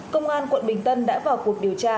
công an quận bình tân đã vào cuộc điều tra